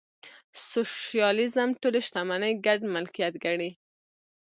سوشیالیزم ټولې شتمنۍ ګډ ملکیت ګڼي.